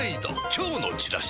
今日のチラシで